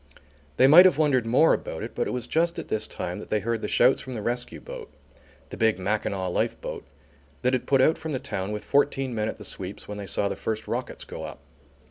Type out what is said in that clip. They might have wondered more about it, but it was just at this time that they heard the shouts from the rescue boat the big Mackinaw lifeboat that had put out from the town with fourteen men at the sweeps when they saw the first rockets go up.